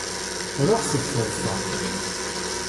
Ruɣ seg teḍsa.